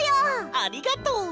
ありがとう！